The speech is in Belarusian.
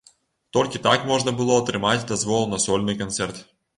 Толькі так можна было атрымаць дазвол на сольны канцэрт.